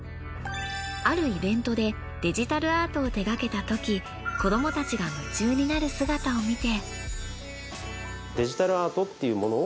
あるイベントでデジタルアートを手がけたとき子どもたちが夢中になる姿を見て。